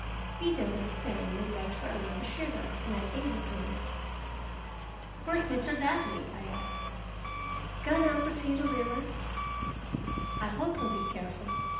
Peter, the spaniel, begged for a lump of sugar, and I gave it to him. "Where is Mr. Ladley?" I asked. "Gone out to see the river." "I hope he'll be careful.